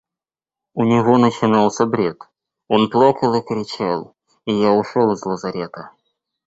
У него начинался бред, он плакал и кричал, и я ушел из лазарета.